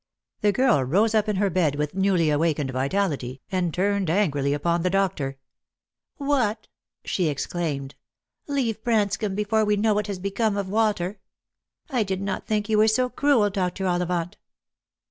The girl rose up in her bed with newly awakened vitality, and turned angrily upon the doctor. " What," she exclaimed, " leave Branscomb before we know what has become of Walter ! I did not think you were so cruel, Dr. Ollivant."